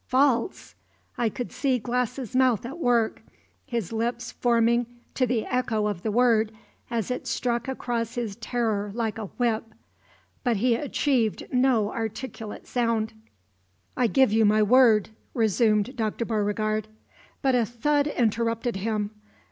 "False!" I could see Glass's mouth at work, his lips forming to the echo of the word, as it struck across his terror like a whip. But he achieved no articulate sound. "I give you my word " resumed Dr. Beauregard; but a thud interrupted him.